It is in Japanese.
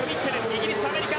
イギリス、アメリカ。